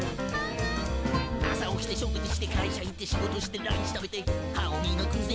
「朝起きて食事して会社行って仕事してランチ食べて歯をみがくぜ」